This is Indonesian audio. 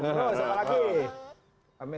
terus apa lagi